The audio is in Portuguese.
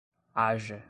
haja